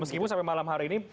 meskipun sampai malam hari ini